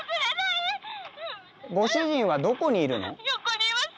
ご主人はどこにいるの？